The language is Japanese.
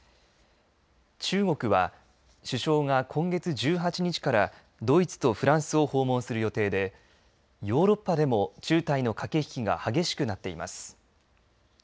中国は、首相が今月１８日からドイツとフランスを訪問する予定でヨーロッパでも中台の駆け引きが激しくなっています。